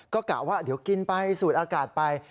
ก็กะว่าเดี๋ยวกินไปสูดอากาศไป